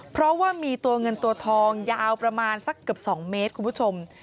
เพราะว่ามีตัวเงินตัวทองยาวประมาณสักเกือบ๒เมตรคุณผู้ชม